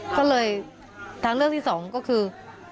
ก็เลยทางเลือกที่สองก็คือ